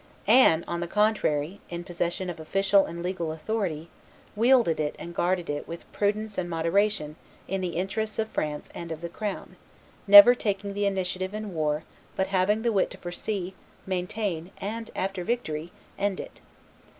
Anne, on the contrary, in possession of official and legal authority, wielded it and guarded it with prudence and moderation in the interests of France and of the crown, never taking the initiative in war, but having the wit to foresee, maintain, and, after victory, end it.